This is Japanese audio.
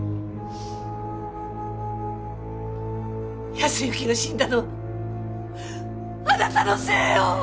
靖之が死んだのはあなたのせいよ！